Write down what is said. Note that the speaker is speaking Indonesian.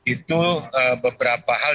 itu beberapa hal